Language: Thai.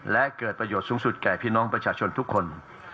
และเกิดประโยชน์สูงสุดแก่พี่น้องประชาชนทุกคน